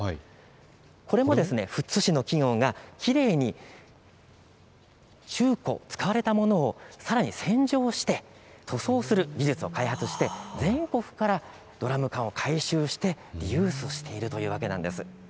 これも富津市の企業がきれいに中古、使われたものを洗浄して塗装する技術を開発して全国からドラム缶を回収してリユースしているというわけなんです。